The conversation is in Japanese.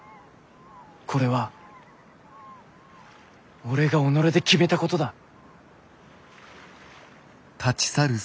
これは俺が己で決めたことだ。